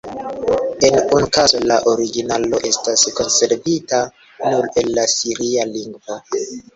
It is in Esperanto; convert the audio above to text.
En unu kazo la originalo estas konservita nur en la siria lingvo.